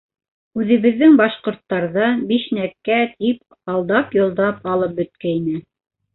Үҙебеҙҙең башҡорттарҙан бишнәккә тип алдап-йолдап алып бөткәйне.